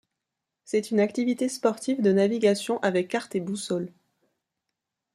C'est une activité sportive de navigation avec carte et boussole.